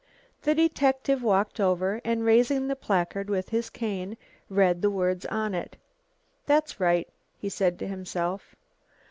The detective walked over, and raising the placard with his cane, read the words on it. "That's right," he said to himself.